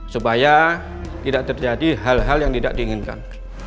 supaya tidak terjadi hal hal yang tidak diinginkan